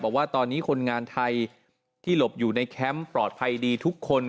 บอกว่าตอนนี้คนงานไทยที่หลบอยู่ในแคมป์ปลอดภัยดีทุกคน